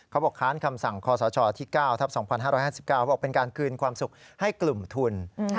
ค้านคำสั่งคศที่๙ทัพ๒๕๕๙บอกเป็นการคืนความสุขให้กลุ่มทุน